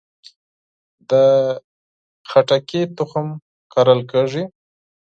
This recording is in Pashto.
د خربوزې تخم کرل کیږي؟